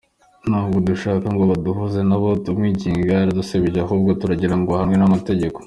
Ntabwo dushaka ngo baduhuze ntabwo tumwinginga, yaradusebeje ahubwo turagirango ahanwe n’amategeko.